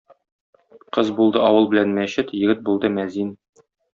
Кыз булды авыл белән мәчет, егет булды мәзин.